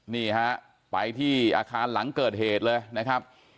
นี่ฮะไปที่อาคารหลังเกิดเหตุเลยนะครับ